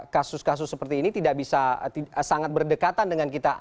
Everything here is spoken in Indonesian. kasus kasus seperti ini tidak bisa sangat berdekatan dengan kita